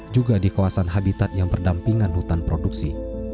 juga di kawasan habitat yang berdampingan hutan produksi